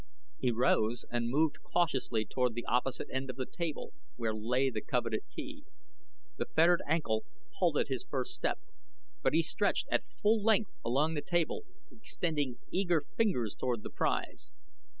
He rose and moved cautiously toward the opposite end of the table where lay the coveted key. The fettered ankle halted his first step, but he stretched at full length along the table, extending eager fingers toward the prize.